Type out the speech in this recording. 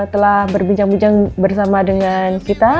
telah berbincang bincang bersama dengan kita